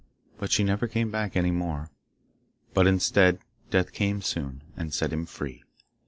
But she never came back any more, but instead, death came soon, and set him free.